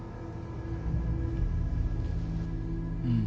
うん。